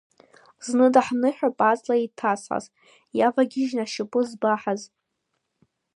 Зны даҳныҳәап аҵла еиҭазҳаз, иавагьежьны ашьапы збаҳаз.